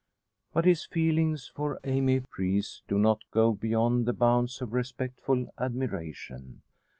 But his feelings for Amy Preece do not go beyond the bounds of respectful admiration.